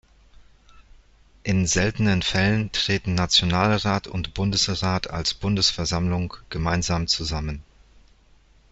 In seltenen Fällen treten Nationalrat und Bundesrat als "Bundesversammlung" gemeinsam zusammen.